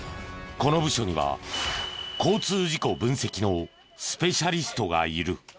この部署には交通事故分析のスペシャリストがいる。